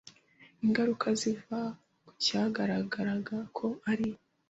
ingaruka ziva ku cyagaragara ko ari